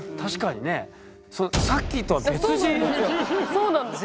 そうなんですよ。